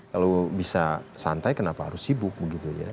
kalau bisa santai kenapa harus sibuk begitu ya